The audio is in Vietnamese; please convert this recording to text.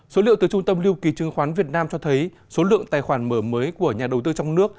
số liệu từ trung tâm lưu ký chứng khoán việt nam cho thấy số lượng tài khoản mở mới của nhà đầu tư trong nước